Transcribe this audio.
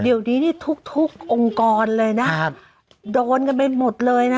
เดี๋ยวนี้นี่ทุกองค์กรเลยนะโดนกันเป็นหมดเลยนะ